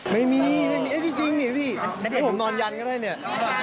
ไม่มีจริงนี่พี่พี่ผมนอนยันก็ได้เนี่ย